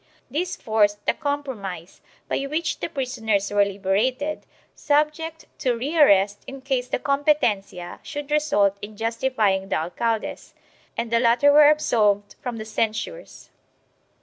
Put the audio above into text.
This forced a compromise by which the prisoners were liberated, subject to rearrest in case the competencia should result in justifying the alcaldes, and the latter were absolved from the censures.